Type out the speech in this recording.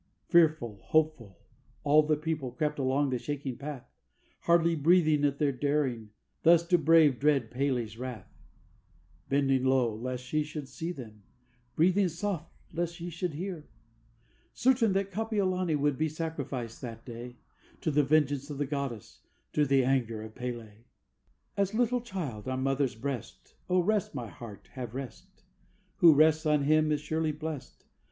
Fearful, hopeful, all the people crept along the shaking path, Hardly breathing at their daring, thus to brave dread P├®l├®'s wrath, Bending low lest she should see them, breathing soft lest she should hear, Certain that Kapiolani would be sacrificed that day, To the vengeance of the goddess, to the anger of P├®l├®. "_As little child On mother's breast, O rest, my heart, Have rest! Who rests on Him Is surely blest.